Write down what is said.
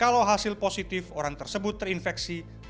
kalau hasil positif orang tersebut terinfeksi tapi belum terinfeksi